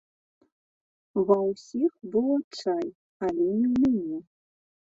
Ва ўсіх быў адчай, але не ў мяне.